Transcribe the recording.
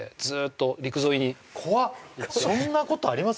そんなことあります？